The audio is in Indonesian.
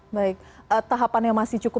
baik tahapannya masih cukup